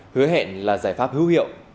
hứa hẹn là giải pháp hữu hiệu